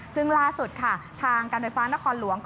ซึ่งล่าสุดค่ะทางการไฟฟ้านครหลวง